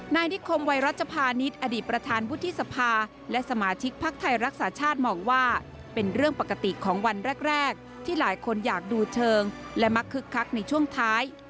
นายนิคมวัยรัชภานิษฐ์อดีตประธานวุฒิสภาและสมาชิกพักไทยรักษาชาติมองว่าเป็นเรื่องปกติของวันแรกที่หลายคนอยากดูเชิงและมักคึกคักในช่วงท้าย